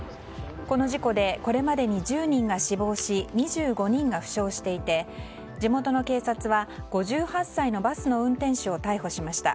この事故でこれまでに１０人が死亡し２５人が負傷していて地元の警察は５８歳のバスの運転手を逮捕しました。